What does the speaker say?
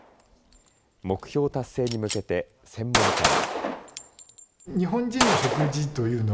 目標達成に向けて専門家は。